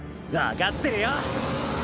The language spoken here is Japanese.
わかってるよ！